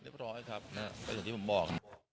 ร้อยครับก็อย่างที่ผมบอก